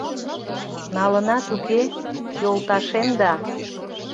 Налынат, уке, йолташем да?